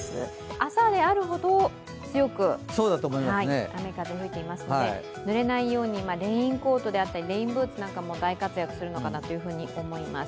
朝であるほど強く雨風、吹いていますのでぬれないようにレインコートやレインブーツも大活躍するのかと思います。